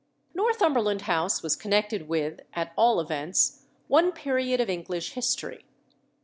Northumberland House was connected with, at all events, one period of English history.